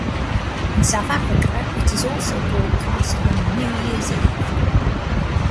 In South Africa it is also broadcast on New Year's Eve.